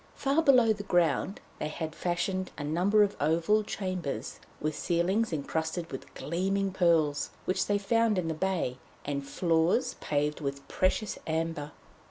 Far below the ground they had fashioned a number of oval chambers, with ceilings encrusted with gleaming pearls which they found in the bay, and floors paved with precious amber.